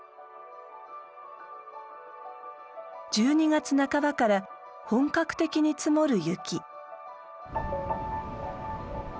１２月半ばから本格的に積もる雪。